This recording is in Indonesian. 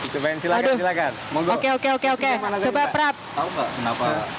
kebetulan yang buat gak ikut dateng ini